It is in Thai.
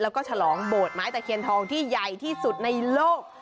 แล้วก็ฉลองโบสถไม้ตะเคียนทองที่ใหญ่ที่สุดในโลก